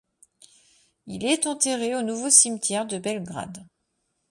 Il est enterré au Nouveau cimetière de Belgrade.